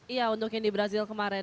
iya untuk yang di brazil kemarin